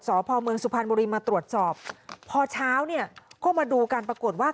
สพเมืองสุพรรณบุรีมาตรวจสอบพอเช้าเนี่ยก็มาดูกันปรากฏว่า